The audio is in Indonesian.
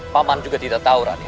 pak man juga tidak tahu raden